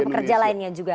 ada pekerja lainnya juga